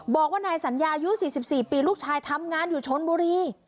บอกว่านายสัญญาอายุสี่สิบสี่ปีลูกชายทำงานอยู่ชนบุรี